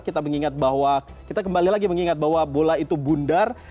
kita mengingat bahwa kita kembali lagi mengingat bahwa bola itu bundar